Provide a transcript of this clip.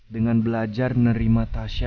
dengan belajar menerima tasha